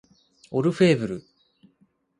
オルフェーヴル